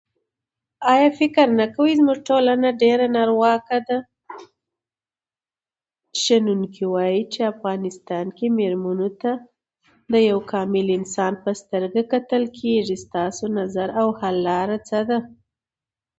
په افغانستان کې ډير وياړلي قهرمانان تير شوي